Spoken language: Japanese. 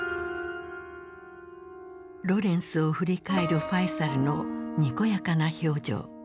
ロレンスを振り返るファイサルのにこやかな表情。